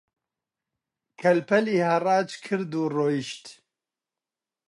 کەل-پەلی هەڕاج کرد و ڕۆیشت